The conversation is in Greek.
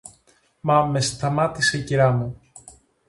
Μα με σταμάτησε η κυρά μου.